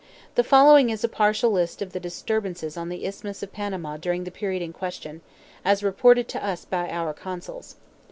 The following is a partial list of the disturbances on the Isthmus of Panama during the period in question, as reported to us by our consuls.